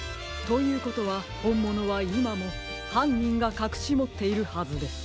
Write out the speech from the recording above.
ということはほんものはいまもはんにんがかくしもっているはずです。